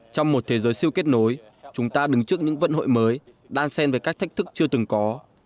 trong một thế giới siêu kết nối chúng ta đứng trước những vận hội mới đan sen với các thách thức chưa từng có